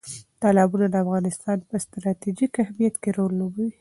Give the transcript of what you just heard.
تالابونه د افغانستان په ستراتیژیک اهمیت کې رول لوبوي.